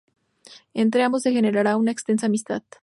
Entre ambos se generará una extensa amistad.